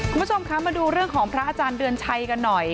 คุณผู้ชมคะมาดูเรื่องของพระอาจารย์เดือนชัยกันหน่อย